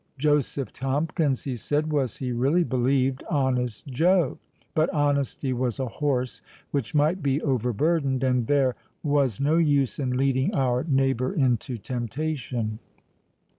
Joseph Tomkins, he said, was, he really believed, Honest Joe; but honesty was a horse which might be overburdened, and there was no use in leading our neighbour into temptation.